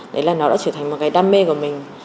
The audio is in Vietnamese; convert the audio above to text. đấy là nó đã trở thành một cái đam mê của mình